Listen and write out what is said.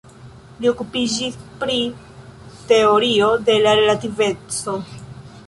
Li okupiĝis pri teorio de la relativeco.